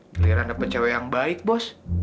geliran dapet cewek yang baik bos